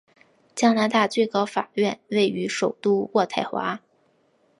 加拿大最高法院位置于首都渥太华。